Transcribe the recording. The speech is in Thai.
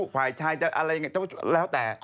ฝ่ายชายอะไรอย่างเงี้ยแล้วแต่